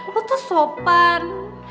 lu tuh sopan